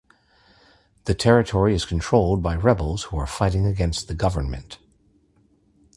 The territory is controlled by rebels who are fighting against the government.